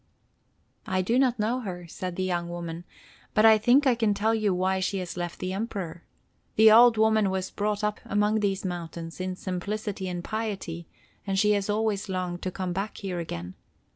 "I do not know her," said the young woman, "but I think I can tell you why she has left the Emperor. The old woman was brought up among these mountains in simplicity and piety, and she has always longed to come back here again.